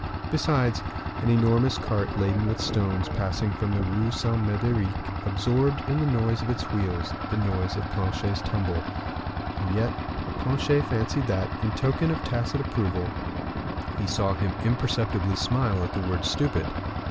Besides, an enormous cart, laden with stones, passing from the Rue Saint Mederic, absorbed, in the noise of its wheels, the noise of Planchet's tumble. And yet Planchet fancied that, in token of tacit approval, he saw him imperceptibly smile at the word "stupid."